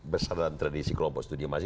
besar dalam tradisi kelompok studiomasi